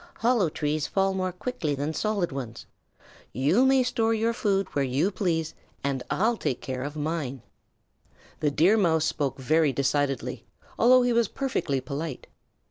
"Hollow trees fall more quickly than solid ones. You may store your food where you please and I'll take care of mine." The Deer Mouse spoke very decidedly, although he was perfectly polite.